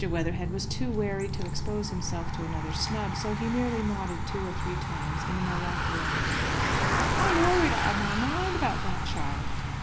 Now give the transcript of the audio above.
Weatherhead was too wary to expose himself to another snub, so he merely nodded two or three times in an oracular manner. "I'm worried out of my mind about that child.